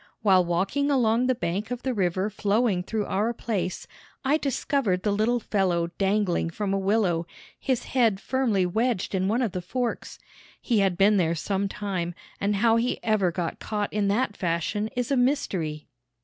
While walking along the bank of the river flowing through our place, I discovered the little fellow dangling from a willow, his head firmly wedged in one of the forks. He had been there some time, and how he ever got caught in that fashion is a mystery.